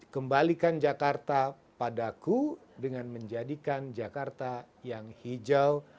kembalikan jakarta padaku dengan menjadikan jakarta yang hijau